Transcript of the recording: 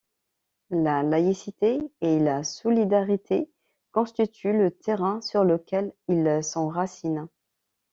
La laïcité et la solidarité constituent le terrain sur lequel il s’enracine.